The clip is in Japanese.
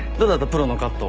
プロのカット。